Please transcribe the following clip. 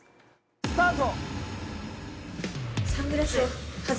スタート！